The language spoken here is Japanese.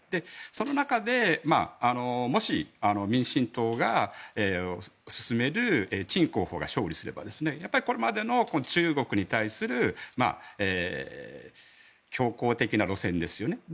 その中で、もし民進党が進めるチン候補が勝利すればこれまでの中国に対する強硬的な路線ですよね